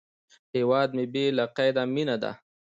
هیواد مې بې له قیده مینه ده